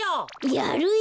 やるよ。